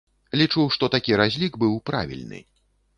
Лічу, што такі разлік быў правільны.